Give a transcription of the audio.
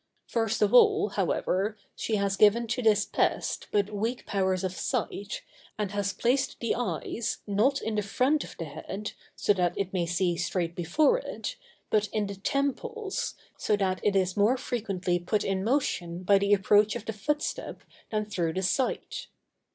First of all, however, she has given to this pest but weak powers of sight, and has placed the eyes, not in the front of the head, so that it may see straight before it, but in the temples, so that it is more frequently put in motion by the approach of the footstep than through the sight.